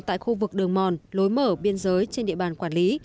tại khu vực đường mòn lối mở biên giới trên địa bàn quản lý